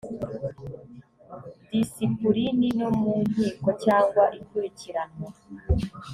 disipulini no mu nkiko cyangwa ikurikiranwa